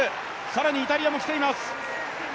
更にイタリアも来ています。